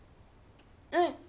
うん！